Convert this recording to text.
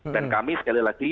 dan kami sekali lagi